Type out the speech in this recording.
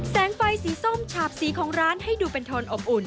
แสงไฟสีส้มฉาบสีของร้านให้ดูเป็นโทนอบอุ่น